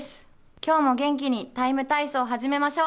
今日も元気に「ＴＩＭＥ，体操」始めましょう。